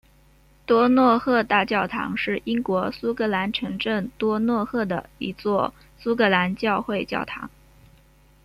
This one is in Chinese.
多诺赫大教堂是英国苏格兰城镇多诺赫的一座苏格兰教会教堂。